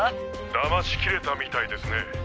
だましきれたみたいですね！